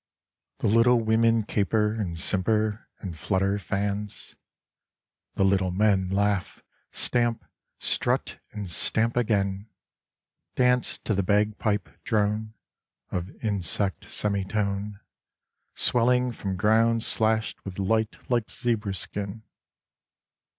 The little women caper, and simper, and flutter fans, The little men laugh, stamp, strut and stamp again, Dance to the bag pipe drone Of insect semitone. Swelling from ground slashed with light like zebra skin.